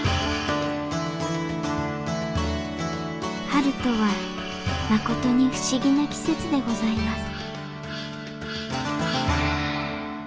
春とはまことに不思議な季節でございます